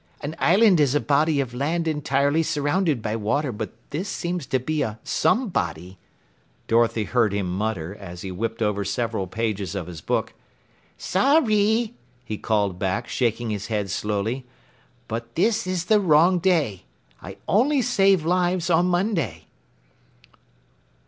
An island is a body of land entirely surrounded by water, but this seems to be a some body," Dorothy heard him mutter as he whipped over several pages of his book. "Sorry," he called back, shaking his head slowly, "but this is the wrong day. I only save lives on Monday."